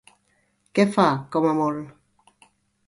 Què fa, com a molt?